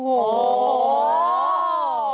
โอโฮ